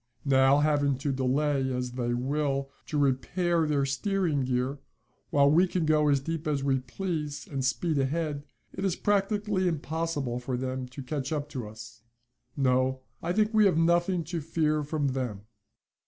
Now, having to delay, as they will, to repair their steering gear, while we can go as deep as we please and speed ahead, it is practically impossible for them to catch up to us. No, I think we have nothing to fear from them."